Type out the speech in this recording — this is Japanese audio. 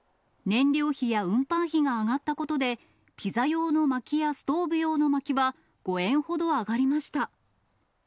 燃料費や運搬費が上がったことで、ピザ用のまきやストーブ用のまきは５円ほど上がりました。